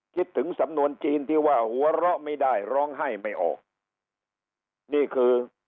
คิดถึงสำนวนจีนที่ว่าหัวเราะไม่ได้ร้องไห้ไม่ออกนี่คือ